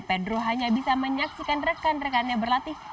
pedro hanya bisa menyaksikan rekan rekannya berlatih